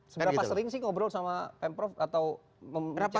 seberapa sering sih ngobrol sama pemprov atau memperkecil